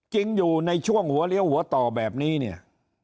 จริงอยู่ในช่วงหัวเลี้ยวหัวต่อแบบนี้เนี่ย